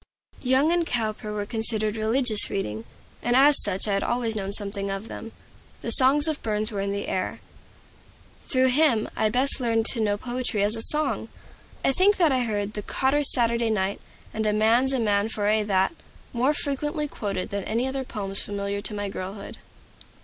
Young and Cowper were considered religious reading, and as such I had always known something of them. The songs of Burns were in the air. Through him I best learned to know poetry as song. I think that I heard the "Cotter's Saturday Night" and "A man's a man for a' that" more frequently quoted than any other poems familiar to my girlhood.